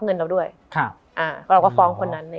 มันทำให้ชีวิตผู้มันไปไม่รอด